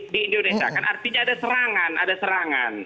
di indonesia kan artinya ada serangan ada serangan